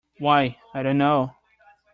Why, I don’t know.